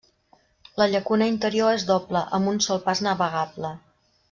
La llacuna interior és doble, amb un sol pas navegable.